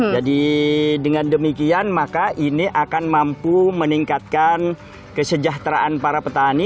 jadi dengan demikian maka ini akan mampu meningkatkan kesejahteraan para petani